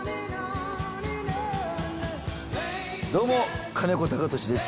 どうも金子貴俊です。